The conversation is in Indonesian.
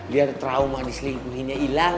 biar trauma diselingkuhinnya ilang